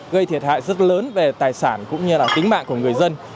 gây thiệt hại rất lớn về tài sản cũng như là tính mạng của người dân